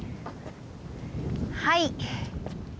はい。